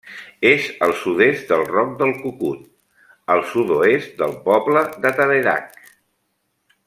És al sud-est del Roc del Cucut, al sud-oest del poble de Tarerac.